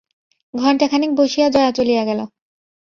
ঘণ্টাখানেক বসিয়া জয়া চলিয়া গেল।